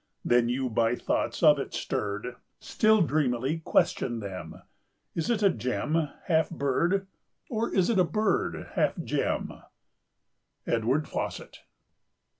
"Then you, by thoughts of it stirred, Still dreamily question them, 'Is it a gem, half bird, Or is it a bird, half gem?'" —Edgar Fawcett.